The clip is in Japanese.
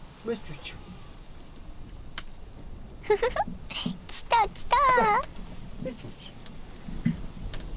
フフフ来た来た。